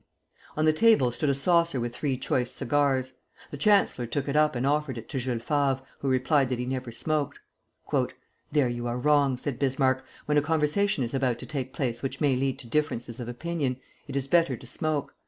On the table stood a saucer with three choice cigars. The chancellor took it up and offered it to Jules Favre, who replied that he never smoked; "There you are wrong," said Bismarck; "when a conversation is about to take place which may lead to differences of opinion, it is better to smoke.